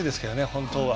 本当は。